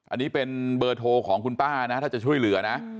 อันนี้เป็นเบอร์โทรของคุณป้านะถ้าจะช่วยเหลือนะ